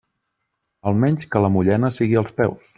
Almenys que la mullena sigui als peus.